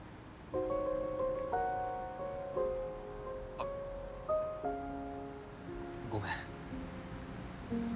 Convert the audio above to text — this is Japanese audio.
あっごめん。